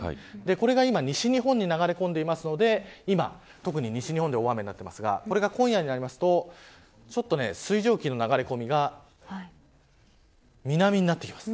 これが今西日本に流れ込んでいるので特に西日本で大雨になっていますが、今夜になると水蒸気の流れ込みが南になってきます。